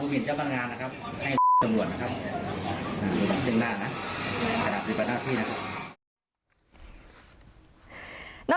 ให้ดำรวจนะครับดึงหน้านะขนาดสิบประนาธินะครับ